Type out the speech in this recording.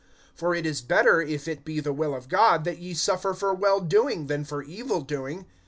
(17)For it is better, if it be the will of God, that ye suffer for well doing, than for evil doing.